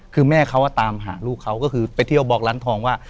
คือแม่เขาตามหาลูกเขาก็คือไปเที่ยวบอกร้านทองว่า